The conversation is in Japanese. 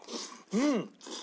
うん。